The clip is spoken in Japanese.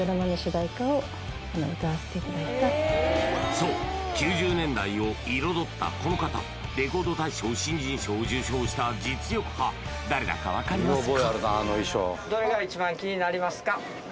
そう９０年代を彩ったこの方レコード大賞新人賞を受賞した実力派誰だか分かりますか？